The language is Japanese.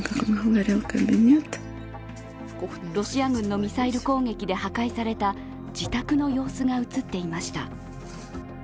ロシア軍のミサイル攻撃で破壊された自宅の様子が映っていました。